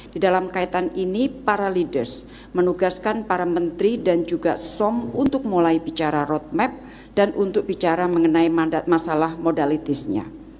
di dalam kaitan ini para leaders menugaskan para menteri dan juga som untuk mulai bicara roadmap dan untuk bicara mengenai masalah modalitisnya